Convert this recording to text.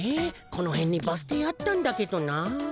このへんにバス停あったんだけどなあ。